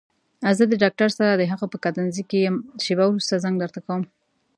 زه د ډاکټر سره دهغه په کتنځي کې يم شېبه وروسته زنګ درته کوم.